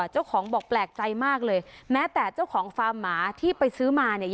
เจ้าของบอกแปลกใจมากเลยแม้แต่เจ้าของฟาร์มหมาที่ไปซื้อมาเนี่ย